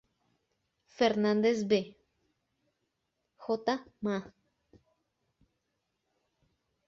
Fernandez V., J. Ma.